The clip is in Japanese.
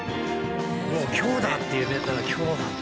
もう今日だって決めたら今日なんだ。